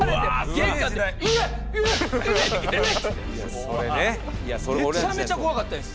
玄関でめちゃめちゃ怖かったです。